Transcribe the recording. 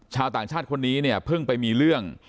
ชาวต่างชาติคนนี้เนี่ยเพิ่งไปมีเรื่อง